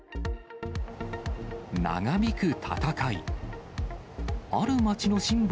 長引く闘い。